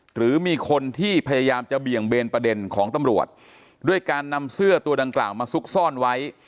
หรือมีคนที่พยายามจะเบี่ยงเบนประเด็นของตำรวจด้วยการนำเสื้อตัวดังกล่าวมาซุกซ่อนไว้